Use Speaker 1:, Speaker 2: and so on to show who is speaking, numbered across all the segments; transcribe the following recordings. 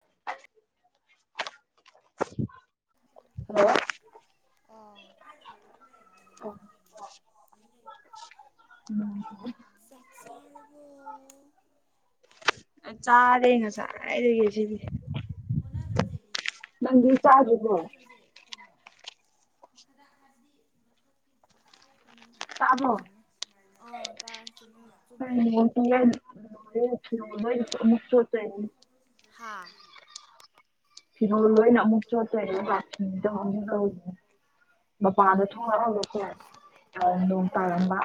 Speaker 1: [inaudible]
Speaker 2: ꯑꯣ
Speaker 1: ꯎꯝ
Speaker 2: ꯆꯥꯛꯁꯔꯕꯣ?
Speaker 1: ꯆꯥꯔꯦ ꯉꯁꯥꯏꯗꯒꯤ ꯁꯤꯗꯤ ꯅꯪꯗꯤ
Speaker 2: ꯍꯣ ꯀꯣ
Speaker 1: ꯆꯥꯗ꯭ꯔꯤꯕꯣ
Speaker 2: ꯀꯩꯅꯣ
Speaker 1: ꯇꯥꯕ꯭ꯔꯣ
Speaker 2: [unintelligible] ꯑꯥ ꯇꯥꯏ ꯆꯨꯝꯃꯦ꯫
Speaker 1: ꯌꯥ ꯃꯨꯛꯇꯁꯨ ꯆ [unintelligible]
Speaker 2: ꯍꯥꯥ
Speaker 1: ꯐꯅꯃꯁꯨ ꯀ ꯃꯄꯥꯟꯗ ꯊꯣꯡꯉꯛꯑꯒꯀꯣ
Speaker 2: ꯅꯦ
Speaker 1: ꯅꯣꯡ ꯇꯥꯔꯝꯕ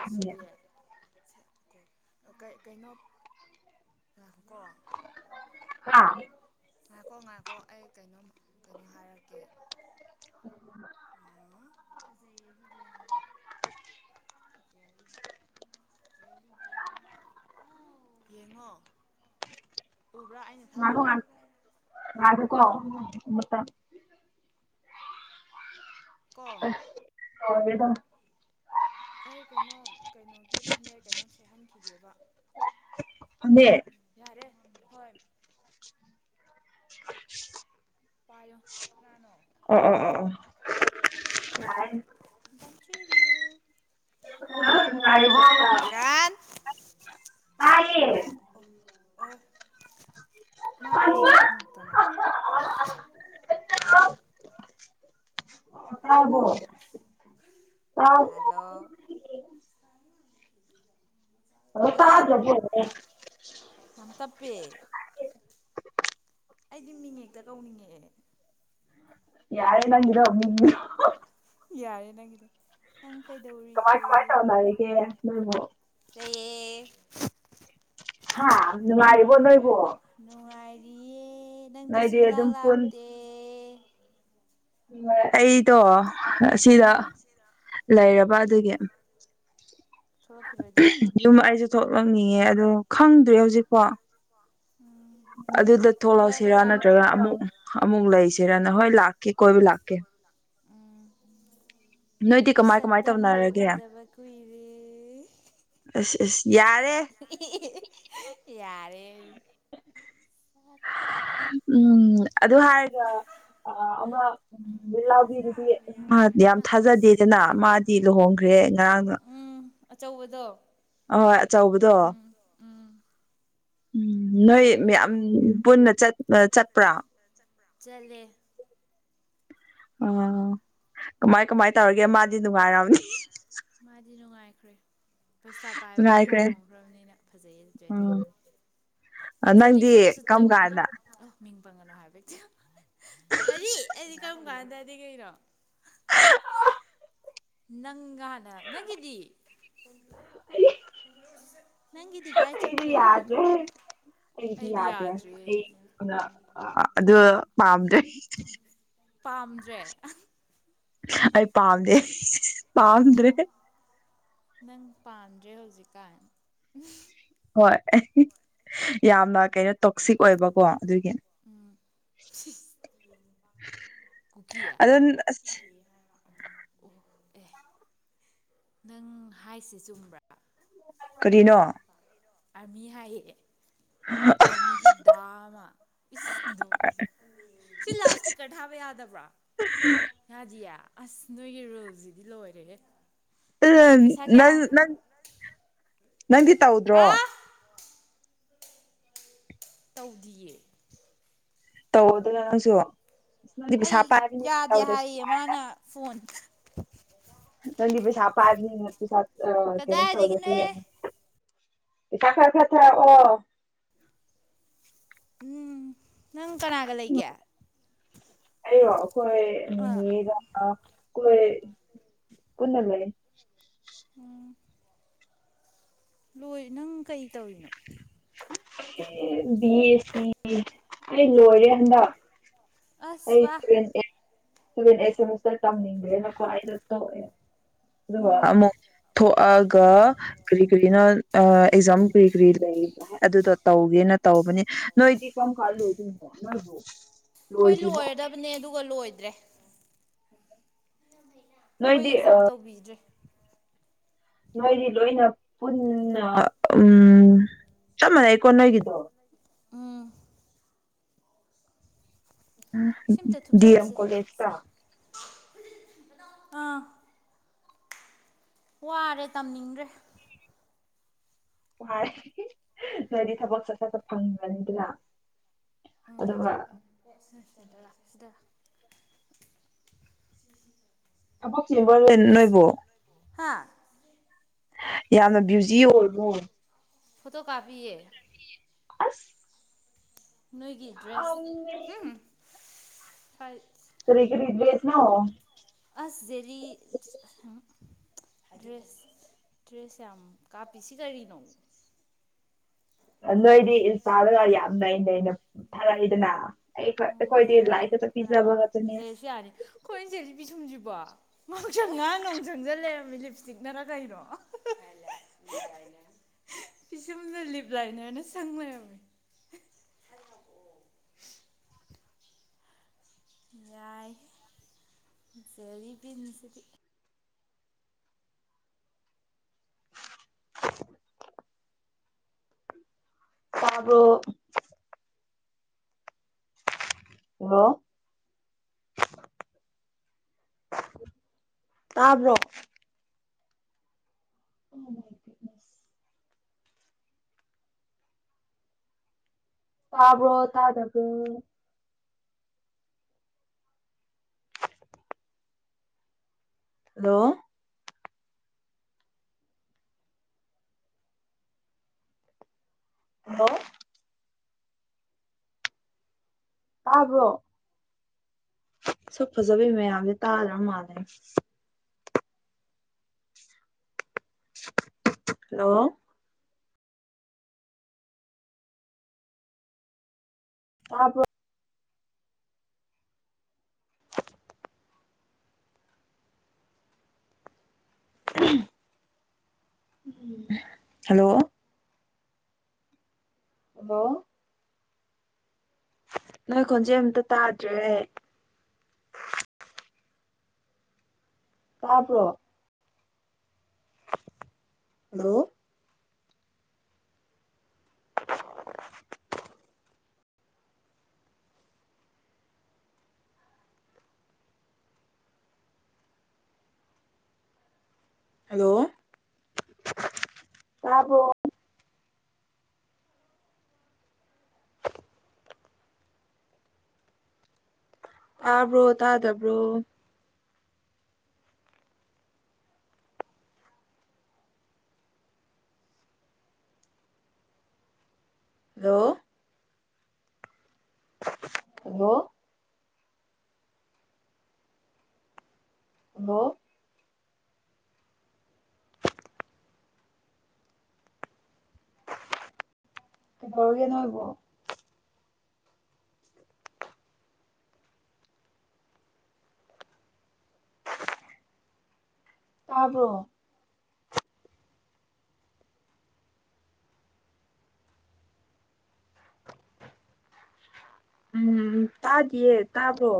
Speaker 2: ꯁꯦ ꯀꯣ ꯀꯩꯅꯣ ꯑ ꯀꯣ
Speaker 1: ꯍꯥꯥ
Speaker 2: ꯉꯥꯏꯈꯣ ꯉꯥꯏꯈꯣ ꯑꯩ ꯀꯩꯅꯣꯝ ꯀꯩꯅꯣ ꯍꯥꯏꯔꯛꯀꯦ꯫
Speaker 1: [inaudible] [inaudible]
Speaker 2: ꯆꯦꯔꯤ ꯌꯦꯡꯉꯣ ꯎꯕ꯭ꯔꯥ ꯑꯩꯅ
Speaker 1: ꯃꯥ
Speaker 2: ꯊꯥꯕꯗꯣ
Speaker 1: ꯃꯥ ꯀꯣ
Speaker 2: ꯀꯣ
Speaker 1: ꯑ ꯍꯦꯗ
Speaker 2: ꯑꯩ ꯀꯩꯅꯣꯝ ꯀꯩꯅꯣꯒꯤ ꯐꯅꯦꯛ ꯀꯩꯅꯣꯝ ꯁꯦꯍꯟꯈꯤꯒꯦꯕ
Speaker 1: ꯐꯃꯦ
Speaker 2: ꯌꯥꯔꯦ ꯍꯣꯏ
Speaker 1: [unintelligible]
Speaker 2: ꯄꯥꯏꯌꯣ ꯀꯅꯥꯅꯣ
Speaker 1: ꯑꯦ ꯑꯦ ꯑꯦ
Speaker 2: ꯀ ꯀꯟ ꯆꯨꯔꯤꯨ꯫
Speaker 1: [unintelligible]
Speaker 2: ꯀꯥꯟ
Speaker 1: ꯇꯥꯏꯌꯦ
Speaker 2: ꯑ ꯃꯥ ꯈꯨꯝꯁꯨ ꯈꯨꯝꯃꯛꯇꯅ ꯍꯂꯣ
Speaker 1: [unintelligible]
Speaker 2: ꯍꯂꯣ
Speaker 1: ꯍꯜꯂꯣ ꯇꯔꯕꯔꯣ
Speaker 2: ꯌꯥꯝ ꯇꯞꯄꯦ꯫ ꯑꯩꯗꯤ ꯃꯤꯉꯦꯛꯇ ꯀꯧꯅꯤꯡꯉꯛꯑꯦ꯫
Speaker 1: ꯌꯥꯔꯦ ꯅꯪꯒꯤꯗꯣ
Speaker 2: ꯌꯥꯔꯦꯅꯒꯗꯦ ꯅꯪ
Speaker 1: ꯀꯃꯥꯏ
Speaker 2: ꯀꯩꯗꯧꯔꯤꯒꯦ
Speaker 1: ꯀꯃꯥꯏ ꯇꯧꯅꯔꯤꯒꯦ ꯅꯣꯏꯕꯨ
Speaker 2: ꯂꯩꯌꯦ꯫
Speaker 1: ꯍꯥꯥ ꯅꯨꯡꯉꯥꯏꯔꯤꯕꯣ ꯅꯣꯏꯕꯣ
Speaker 2: ꯅꯨꯡꯉꯥꯏꯔꯤꯌꯦ ꯅꯪꯗꯤ
Speaker 1: ꯅꯣꯏꯗꯤ
Speaker 2: ꯁꯨꯡꯂꯥꯛ
Speaker 1: ꯑꯗꯨꯝ ꯄꯨꯟ
Speaker 2: ꯂꯥꯛꯇꯦ꯫
Speaker 1: ꯑꯩꯗꯣ ꯑꯁꯤꯗ
Speaker 2: ꯎꯝ
Speaker 1: ꯂꯩꯔꯕ ꯑꯗꯨꯒꯤ
Speaker 2: ꯊꯣꯛꯂꯛꯈꯤꯔꯣꯏꯗ꯭ꯔꯣ?
Speaker 1: ꯌꯨꯝ ꯑꯩꯁꯨ ꯊꯣꯛꯂꯛꯅꯤꯡꯉꯦ ꯑꯗꯣ ꯈꯪꯗ꯭ꯦ ꯍꯧꯖꯤꯛꯄꯣ
Speaker 2: ꯎꯝ
Speaker 1: ꯑꯗꯨꯗ ꯊꯣꯛꯂꯛꯁꯤꯔꯥ ꯅꯠꯇ꯭ꯔꯒ ꯑꯃꯨꯛ ꯑꯃꯨꯛ ꯂꯩꯁꯤꯔꯅ ꯍꯣꯏ ꯂꯥꯛ
Speaker 2: ꯂꯗꯤ ꯀ ꯂꯥꯛ ꯎꯝ
Speaker 1: ꯅꯣꯏꯗꯤ
Speaker 2: ꯅꯪꯒꯤ
Speaker 1: ꯀꯃꯥꯏ ꯀꯃꯥꯏ
Speaker 2: ꯁꯛꯇꯝꯗꯣ
Speaker 1: ꯇꯧꯅꯔꯒꯦ
Speaker 2: ꯎꯗꯕ ꯀꯨꯏꯔꯦ
Speaker 1: ꯑꯁ ꯑꯁ ꯌꯥꯔꯦ꯫
Speaker 2: ꯌꯥꯔꯦ
Speaker 1: ꯎꯝ ꯑꯗꯨ ꯍꯥꯏꯔꯒ ꯑꯃ ꯎꯜꯂꯥꯎꯕꯤꯗꯨꯗꯤ ꯌꯥꯝ ꯊꯥꯖꯗꯦꯗꯅ ꯃꯥꯗꯤ ꯂꯨꯍꯣꯡꯈ꯭ꯔꯦ ꯉꯔꯥꯡꯅ
Speaker 2: ꯎꯝ ꯑꯆꯧꯕꯗꯣ
Speaker 1: ꯑꯍꯣꯏ ꯑꯆꯧꯕꯗꯣ
Speaker 2: ꯎꯝ
Speaker 1: ꯎꯝ ꯅꯣꯏ
Speaker 2: ꯑꯆꯧꯕꯗꯣ
Speaker 1: ꯌꯥꯝ
Speaker 2: ꯂꯨꯍꯣꯡꯈ꯭ꯔꯦ
Speaker 1: ꯄꯨꯟꯅ ꯆꯠꯄ꯭ꯔꯥ
Speaker 2: ꯆꯂꯦ
Speaker 1: ꯑꯣ ꯀꯃꯥꯏ ꯀꯃꯥꯏ ꯇꯧꯔꯒꯦ ꯃꯥꯗꯤ ꯅꯨꯡꯉꯥꯏꯔꯝꯅꯤ
Speaker 2: ꯃꯥꯗꯤ ꯅꯨꯡꯉꯥꯏꯈ꯭ꯔꯦ ꯄꯩꯁꯥ ꯄꯥꯏꯕꯗ
Speaker 1: ꯅꯨꯡꯉꯥꯏꯈ꯭ꯔꯦ
Speaker 2: ꯂꯨꯍꯣꯡꯈ꯭ꯔꯕꯅꯤꯅ ꯐꯖꯩꯌꯦ ꯆꯦꯜꯂꯤ
Speaker 1: ꯎꯝ
Speaker 2: ꯖꯦꯂꯤ
Speaker 1: ꯅꯪꯗꯤ
Speaker 2: ꯐꯇꯣ ꯁꯨꯇ
Speaker 1: ꯀꯔꯝ
Speaker 2: ꯇꯧꯔꯤꯌꯦ
Speaker 1: ꯀꯥꯟꯗ
Speaker 2: ꯃꯤꯡ ꯄꯪꯒꯅꯣ ꯍꯥꯏꯕꯛꯇ ꯀꯔꯤ ꯑꯩꯗꯤ ꯀꯔꯝ ꯀꯥꯟꯗꯗꯤ ꯀꯩꯅꯣ ꯅꯪꯒꯅ ꯅꯪꯒꯤꯗꯤ ꯅꯪꯒꯤꯗꯤ ꯏ ꯀꯥꯏ
Speaker 1: ꯑꯩꯗꯤ
Speaker 2: ꯆꯠꯈ꯭ꯔꯦ
Speaker 1: ꯌꯥꯗ꯭ꯔꯦ
Speaker 2: ꯑꯩꯗꯤ ꯌꯥꯗ꯭ꯔꯦ ꯑꯩ
Speaker 1: ꯑꯗ
Speaker 2: ꯄꯥꯝꯗ꯭ꯔꯦ
Speaker 1: ꯑꯩ ꯄꯥꯝꯗꯦ
Speaker 2: ꯑꯣ
Speaker 1: ꯄꯥꯝꯗ꯭ꯔꯦ
Speaker 2: ꯅꯪ ꯄꯥꯟꯗ꯭ꯔꯦ ꯍꯧꯖꯤꯛꯀꯥꯟ
Speaker 1: ꯍꯣꯏ ꯌꯥꯝꯅ ꯀꯩꯅꯣ ꯇꯣꯛꯁꯤꯛ ꯑꯣꯏꯕꯀꯣ ꯑꯗꯨꯒꯤ
Speaker 2: ꯀꯨꯀꯤꯌꯥ
Speaker 1: ꯑꯗꯨ ꯑꯁ
Speaker 2: ꯑꯣ ꯑꯦ ꯅꯪ ꯍꯥꯏꯁ ꯆꯨꯝꯕ꯭ꯔꯥ
Speaker 1: ꯀꯔꯤꯅꯣ
Speaker 2: ꯑꯥꯔꯃꯤ ꯍꯥꯏꯌꯦꯑꯦ
Speaker 1: ꯑ
Speaker 2: ꯃꯤꯒꯤ ꯗꯥꯃ ꯏꯗꯣ ꯏꯁꯦ ꯁꯤꯜ ꯂꯥꯎꯑꯣ ꯏꯁꯄꯤꯀꯔ ꯊꯥꯕ ꯌꯥꯗꯕ꯭ꯔꯥ ꯌꯥꯗꯤꯌꯦ ꯑꯁ ꯅꯣꯏꯒꯤ ꯔꯨꯜꯁꯤꯗꯤ ꯂꯣꯏꯔꯦ
Speaker 1: ꯎ ꯅꯪ ꯅꯪ ꯅꯪꯗꯤ ꯇꯧꯗ꯭ꯔꯣ
Speaker 2: ꯍꯥ ꯇꯧꯗꯤꯌꯦ
Speaker 1: ꯇꯧꯗꯪꯁꯨ
Speaker 2: ꯑꯩ ꯌꯥꯗꯦ ꯍꯥꯏꯌꯦ ꯃꯥꯅ ꯐꯣꯟ
Speaker 1: ꯀꯗꯤ ꯄꯁ ꯄ ꯍꯥꯏꯗꯅꯤ ꯀꯩꯅꯅꯦ ꯇꯗ
Speaker 2: ꯀꯗꯥꯏꯗꯒꯤꯅꯣꯍꯦ
Speaker 1: ꯀꯔ ꯀꯦꯇ꯭ꯔꯦ ꯑꯣ
Speaker 2: ꯎꯝ ꯅꯪ ꯀꯅꯥꯒ ꯂꯩꯒꯦ
Speaker 1: ꯑꯩꯌꯣ ꯑꯩꯈꯣꯏ
Speaker 2: ꯑꯥ
Speaker 1: ꯏꯅꯦꯒ ꯄꯨꯟꯅ ꯂꯩ
Speaker 2: ꯎꯝ ꯂꯣꯏ ꯅꯪ ꯀꯩ ꯇꯧꯔꯤꯅꯣ
Speaker 1: ꯕꯤ ꯑꯦ ꯁꯤ ꯑꯩ ꯂꯣꯏꯔꯦ ꯍꯟꯗꯛ
Speaker 2: ꯑꯁ ꯋꯥ
Speaker 1: ꯑꯦꯁꯦ ꯑꯃꯁꯔ ꯇꯝ ꯅꯒ ꯐ
Speaker 2: ꯎꯝ
Speaker 1: ꯑꯃꯨꯛ ꯊꯣꯛꯑꯒ ꯀꯔꯤ ꯀꯔꯤꯅꯣ ꯑꯦꯛꯖꯥꯝ ꯀꯔꯤ ꯀꯔꯤ ꯂꯩꯕ ꯑꯗꯨꯗꯣ ꯇꯧꯒꯦꯅ ꯇꯧꯕꯅꯦ ꯅꯣꯏꯗꯤ ꯀꯔꯝ ꯀꯥꯟ ꯂꯣꯏꯗꯣꯏꯅꯣ ꯅꯣꯏꯕꯨ ꯂꯣꯏꯗ꯭ꯔꯤꯕꯣ
Speaker 2: ꯍꯥꯏꯕꯅꯦ ꯑꯗꯨꯒ ꯂꯣꯏꯗ꯭ꯔꯦ ꯑꯩꯣꯏ
Speaker 1: ꯅꯣꯏꯗꯤ
Speaker 2: ꯑꯦꯛꯖꯥꯝ ꯇꯧꯕꯤꯗ꯭ꯔꯦ
Speaker 1: ꯅꯣꯏꯗꯤ ꯂꯣꯏꯅ ꯄꯨꯟꯅ ꯎꯝ ꯆꯞ ꯃꯥꯟꯅꯩꯀꯣ ꯅꯣꯏꯒꯤꯗꯣ
Speaker 2: ꯑꯗꯨ ꯁꯤꯝꯇ
Speaker 1: ꯗꯤ ꯑꯦꯝ
Speaker 2: ꯊꯨꯞꯆꯜꯂꯨꯁꯦ
Speaker 1: ꯀꯣꯂꯦꯖꯇ
Speaker 2: ꯁꯦ ꯑꯥ ꯋꯥꯔꯦ ꯇꯝꯅꯤꯡꯗ꯭ꯔꯦ
Speaker 1: ꯅꯣꯏꯗꯤ ꯊꯕꯛ ꯆꯠ ꯆꯠ ꯆꯠ ꯐꯪꯈ꯭ꯔꯅꯤꯗꯅ
Speaker 2: ꯎꯝ [unintelligible]
Speaker 1: ꯑꯗꯨꯒ ꯅꫭꯏꯕꯣ
Speaker 2: ꯍꯥꯥ
Speaker 1: ꯌꯥꯝꯅ ꯕꯌꯨꯖꯤ ꯑꯣꯏꯕꯣ
Speaker 2: ꯐꯣꯇꯣ ꯀꯥꯄꯤꯌꯦ
Speaker 1: ꯑ
Speaker 2: ꯅꯣꯏꯒꯤ ꯗ꯭ꯔꯦꯁ ꯎꯝ
Speaker 1: ꯀꯔꯤꯒꯤ ꯗꯗꯦꯁꯅꯣ
Speaker 2: ꯑꯁ ꯖꯦꯔꯤ ꯗ꯭ꯔꯦꯁ ꯗ꯭ꯔꯦꯁ ꯌꯥꯝ ꯀꯥꯞꯄꯤꯁꯤ ꯀꯔꯤꯅꯣ
Speaker 1: ꯅꯣꯏꯗꯤ ꯏꯟꯁꯇꯥꯗꯒ ꯌꯥꯝꯅꯩꯅ ꯊꯥꯔꯛꯏꯗꯅ ꯑꯩ
Speaker 2: ꯑꯣ
Speaker 1: ꯑꯩꯈꯣꯏꯗꯤ ꯂꯥꯏ
Speaker 2: ꯊꯥꯒꯠꯅꯤ ꯀꯅꯥꯅꯣ ꯂꯩꯔꯁꯨꯌꯥꯅꯤ ꯍꯣꯏ ꯏꯟꯆꯦꯁꯤꯄꯤ ꯁꯨꯝꯁꯤꯕꯣ ꯃꯍꯎꯁꯪ ꯉꯥ ꯅꯣꯡ ꯆꯪꯖ ꯂꯩꯔꯝꯃꯤ ꯂꯤꯞ ꯏꯁꯇꯤꯛꯅꯔ ꯀꯩꯅꯣ ꯄꯤꯁꯨꯝꯗ ꯂꯤꯕ ꯂꯩꯥꯏꯅꯅ ꯁꯪꯕ ꯍꯥꯏꯔꯛꯑꯣ ꯌꯥꯏ ꯖꯦꯔꯤꯕꯤꯟꯁꯤꯗꯤ
Speaker 1: ꯇꯥꯕ꯭ꯔꯣ ꯍꯜꯂꫭ ꯇꯥꯕ꯭ꯔꯣ [inaudible] ꯇꯥꯕ꯭ꯔꯣ ꯇꯥꯗꯕꯔꯣ ꯍꯜꯂꯣ ꯍꯜꯂꯣ ꯇꯥꯕ꯭ꯔꯣ ꯁꯛ ꯐꯖꯕꯤ ꯃꯌꯥꯝꯁꯦ ꯇꯥꯗ꯭ꯔ ꯃꯥꯜꯂꯦ ꯍꯜꯂꯣ ꯇꯥꯕꯔꯣ ꯎꯝ ꯍꯜꯂꯣ ꯑꯣꯂꯣ ꯅꯣꯏ ꯈꯣꯟꯖꯦꯜꯗꫭ ꯑꯝꯇ ꯇꯥꯗ꯭ꯔꯦ ꯇꯥꯕꯔꯣ ꯍꯜꯂꯣ [unintelligible] ꯇꯥꯕꯔꫭ ꯇꯥꯕ꯭ꯔꯣ ꯇꯥꯗꯕ꯭ꯔꯣ ꯍꯜꯂꯣ ꯍꯜꯂꯣ ꯑ ꯅꫭꯏꯕꯣ ꯇꯥꯔꯕ꯭ꯔꯣ ꯎꯝ ꯇꯥꯗꯤꯌꯦ ꯇꯥꯕ꯭ꯔꯣ